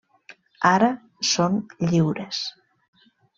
Ara són lliures.